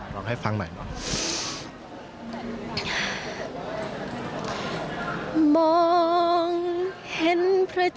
ร้องให้ฟังหน่อย